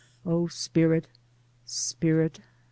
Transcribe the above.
[O spirit ! spirit